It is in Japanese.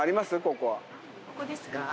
ここですか？